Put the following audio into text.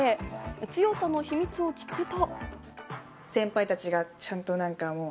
強さの秘密を聞くと。